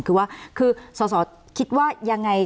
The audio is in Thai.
คือว่าคือสอสอคิดว่ายังไง